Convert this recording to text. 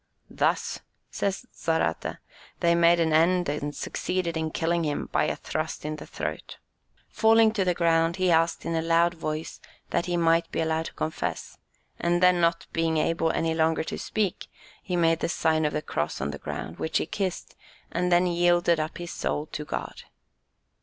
"Thus," says Zarate, "they made an end, and succeeded in killing him by a thrust in the throat. Falling to the ground, he asked in a loud voice that he might be allowed to confess, and then not being able any longer to speak, he made the sign of the cross on the ground, which he kissed, and then yielded up his soul to God."